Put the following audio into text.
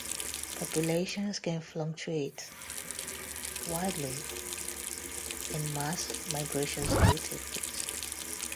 Populations can fluctuate widely and mass migrations do take place.